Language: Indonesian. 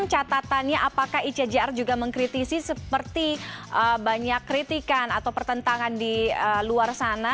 catatannya apakah icjr juga mengkritisi seperti banyak kritikan atau pertentangan di luar sana